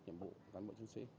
nhiệm vụ cán bộ nhân sĩ